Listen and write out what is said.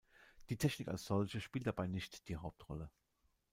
Die Technik als solche spielt dabei nicht die Hauptrolle.